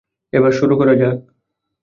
এবার শুরু করা যাক।